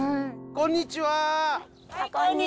こんにちは。